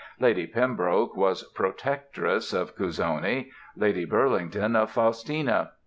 Lady Pembroke was "protectress" of Cuzzoni, Lady Burlington of Faustina.